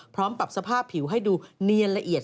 ปรับสภาพผิวให้ดูเนียนละเอียด